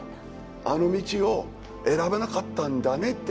あの道を選ばなかったんだねって